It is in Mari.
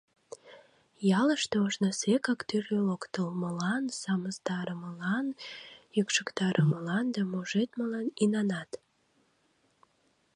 Ялыште ожнысекак тӱрлӧ локтылмылан, сымыстарымылан, йӱкшыктарымылан да мужедмылан инанат.